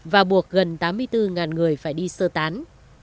và buộc gần tám mươi bốn người phải đi sơ tán